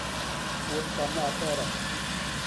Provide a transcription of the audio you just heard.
Ur ṭṭamaɛet ara.